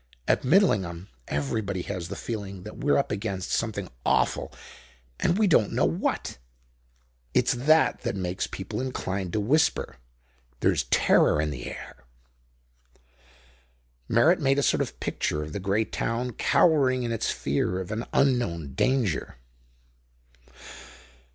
At Midlingham everybody has the feeling that we're up against something awful and we don't know what; it's that that makes people inclined to whisper. There's terror in the air." Merritt made a sort of picture of the great town cowering in its fear of an unknown danger.